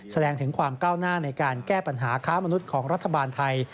แสดงถึงความก้าวหน้าในการแก้ปัญหาค้ามนุษย์ของรัฐบาลไทย